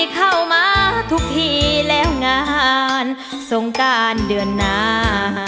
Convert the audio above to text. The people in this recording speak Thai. เข้ามาทุกทีแล้วงานสงการเดือนหน้า